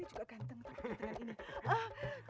ini juga ganteng tapi dengan ini